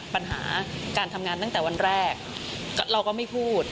ปัญหาการทำงานตั้งแต่วันแรกเราก็ไม่พูด